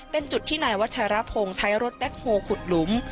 เป็นจุดที่นายวัชรพงศ์ใช้รถแบ็คโฮลขุดหลุม